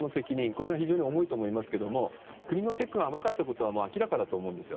これが非常に重いと思いますが国のチェックが甘かったことも明らかだと思います。